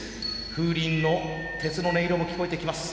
風鈴の鉄の音色も聞こえてきます。